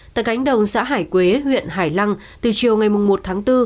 tại cánh đồng xã hải quế huyện hải lăng từ chiều ngày một tháng bốn